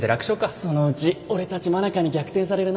そのうち俺たち真中に逆転されるな